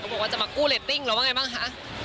บอกว่าจะมากู้เรตติ้งเราว่าไงบ้างคะ